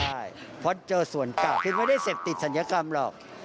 ใช่เพราะเจอส่วนเก่าคือไม่ได้เสพติดศัลยกรรมหรอก